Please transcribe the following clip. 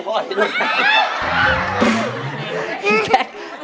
เป็นใกล้พ่อ